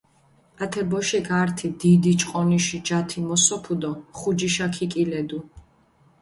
ათე ბოშიქ ართი დიდი ჭყონიში ჯათი მოსოფუ დო ხუჯიშა ქიკილედუ.